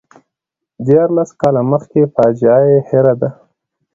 دیارلس کاله مخکې فاجعه یې هېره ده.